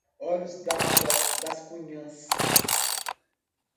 Olho d'Água das Cunhãs